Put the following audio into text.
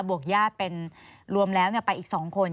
วกญาติเป็นรวมแล้วไปอีก๒คน